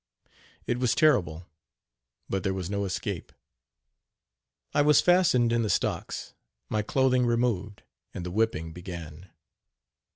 It was terrible, but there was no escape. I was fastened in the stocks, my clothing removed, and the whipping began.